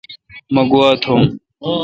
مہ گوا تھوم۔